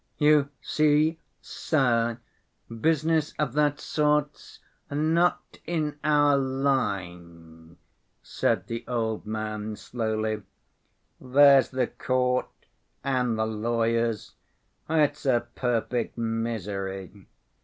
"You see, sir, business of that sort's not in our line," said the old man slowly. "There's the court, and the lawyers—it's a perfect misery.